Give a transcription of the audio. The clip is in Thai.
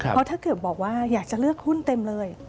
เพราะถ้าเกิดบอกว่าอยากจะเลือกหุ้นเต็มเลย